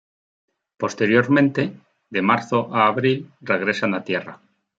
Posteriormente, de marzo a abril, regresan a tierra.